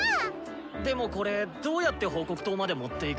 でもこれどうやって報告筒まで持っていく？